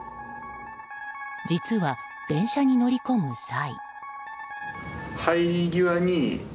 実は、電車に乗り込む際。